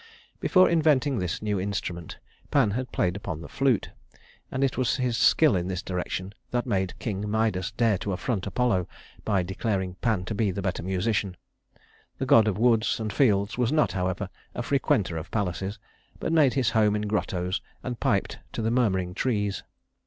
Before inventing this new instrument, Pan had played upon the flute, and it was his skill in this direction that made King Midas dare to affront Apollo by declaring Pan to be the better musician. The god of woods and fields was not, however, a frequenter of palaces, but made his home in grottoes and piped to the murmuring trees.